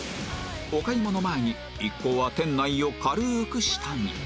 お買い物前に一行は店内を軽く下見